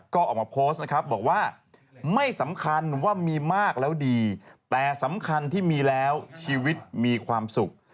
ก็ออกมาโพสต์นะครับบอกว่าไม่สำคัญว่ามีมากแล้วดีแต่สำคัญที่มีแล้วชีวิตมีความสุข